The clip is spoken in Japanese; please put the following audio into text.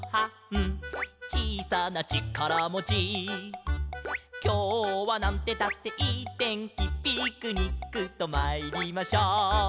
「ちいさなちからもち」「きょうはなんてったっていいてんき」「ピクニックとまいりましょう」